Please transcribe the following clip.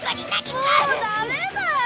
もうダメだ！